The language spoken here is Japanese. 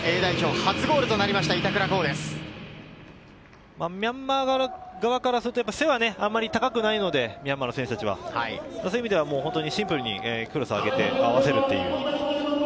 初ゴールとミャンマー側からすると背はあまり高くないので、ミャンマーの選手たちは、そういう意味ではシンプルにクロスを上げて合わせるという。